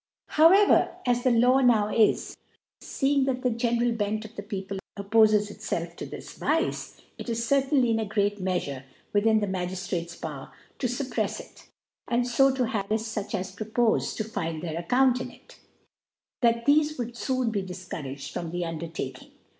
However, as the Law now is, feemg that ;the general Bent of the People oppofcs itfi^lf to this Vice, it is certainly in a great mea fure within the Magiftrate*s Power to fup prefs it, and fo to harais fuch aspropofe to .find their Account in ir,' thatthefe would :foon be difcouraged from the Undertaking.